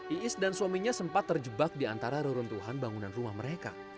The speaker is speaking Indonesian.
iis dan suaminya sempat terjebak di antara reruntuhan bangunan rumah mereka